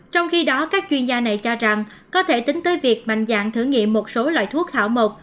trong khi đó các chuyên gia này cho rằng có thể tính tới việc mạnh dạng thử nghiệm một số loại thuốc hảo một